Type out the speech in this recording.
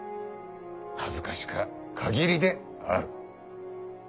恥ずかしか限りである。